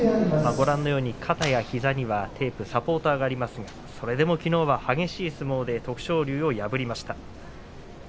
ご覧のように肩や膝にはテープ、サポーターがありますがそれでもきのうは激しい相撲で徳勝龍を破りました。